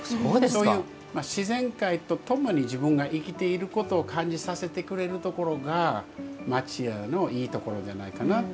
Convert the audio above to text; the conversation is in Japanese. そういう自然界と共に自分が生きていることを感じさせてくれるところが町家のいいところじゃないかな。